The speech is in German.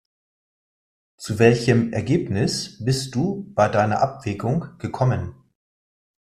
Zu welchem Ergebnis bist du bei deiner Abwägung gekommen?